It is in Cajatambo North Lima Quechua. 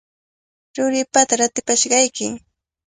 Ruripata ratipashqayki.